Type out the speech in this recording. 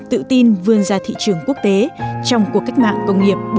tự tin vươn ra thị trường quốc tế trong cuộc cách mạng công nghiệp bốn